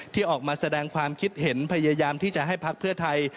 ที่ออกมาแสดงความคิดเห็นพยายามที่จะให้พักเพื่อไทย